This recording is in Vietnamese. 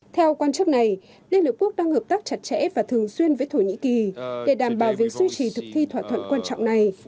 theo quan chức này liên hợp quốc đang hợp tác chặt chẽ và thường xuyên với thổ nhĩ kỳ để đảm bảo việc suy trì thực thi thỏa thuận quan trọng này